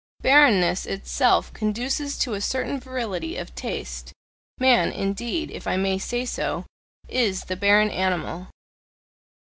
Barrenness itself conduces to a certain virility of taste; man, indeed, if I may say so, is "the barren animal."